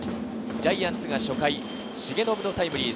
ジャイアンツが初回、重信のタイムリー。